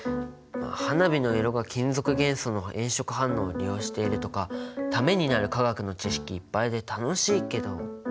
花火の色が金属元素の炎色反応を利用しているとかためになる化学の知識いっぱいで楽しいけどね。